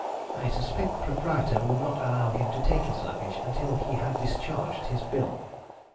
I suspect the proprietor would not allow him to take his luggage until he had discharged his bill."